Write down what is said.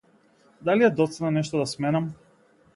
Дали е доцна нешто да сменам?